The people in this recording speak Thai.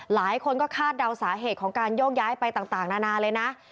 หลายคนก็คาดเดาสาเหตุของการโยกย้ายไปต่างนานาเลยนะ